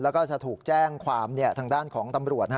แล้วก็จะถูกแจ้งความทางด้านของตำรวจ